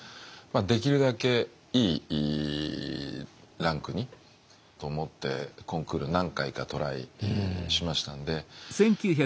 できるだけいいランクにと思ってコンクール何回かトライしましたんで。